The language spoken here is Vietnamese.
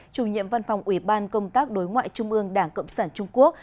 chủ nhiệm văn phòng ủy ban công tác đối ngoại trung ương đảng cộng sản trung quốc